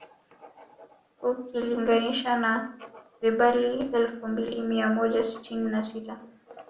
Ukilinganisha na vibali elfu mbili mia moja sitini na sita